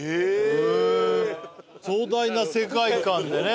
へえー壮大な世界観でね